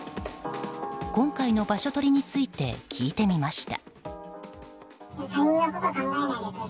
今回の場所取りについて聞いてみました。